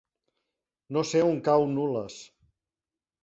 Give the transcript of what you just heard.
No sé on cau Nules.